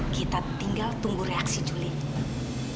kita tinggal tunggu reaksi juli